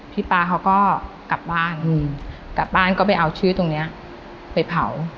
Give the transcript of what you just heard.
ป๊าเขาก็กลับบ้านกลับบ้านก็ไปเอาชื่อตรงนี้ไปเผา